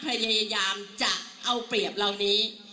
พยายามจะเอาเปรียบเหล่านี้